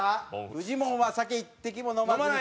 フジモンは酒一滴も飲まずに。